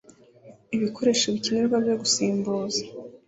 ibikoresho bikenerwa byo gusimbuza